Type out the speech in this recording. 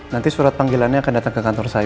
nanti surat panggilannya akan datang ke kantor saya